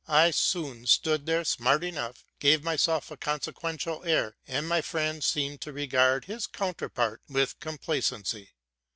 I soon stood there smart enough, gave myself a consequential air, and my friend seemed to regard his counterpart with complacency.